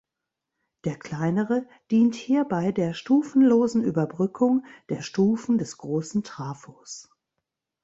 Der kleinere dient hierbei der stufenlosen Überbrückung der Stufen des großen Trafos.